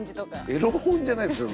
エロ本じゃないですよ